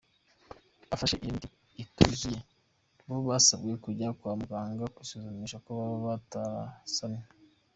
Abafashe iyo miti ituzuye bo basabwe kujya kwa muganga kwisuzumisha ko baba batarasamye.